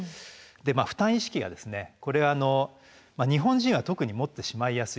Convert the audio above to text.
まあ負担意識がですねこれ日本人は特にもってしまいやすいと。